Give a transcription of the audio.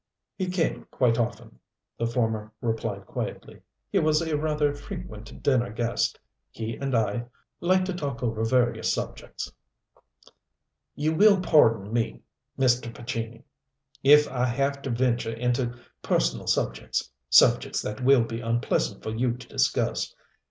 "He came quite often," the former replied quietly. "He was a rather frequent dinner guest. He and I liked to talk over various subjects." "You will pardon me, Mr. Pescini, if I have to venture into personal subjects subjects that will be unpleasant for you to discuss.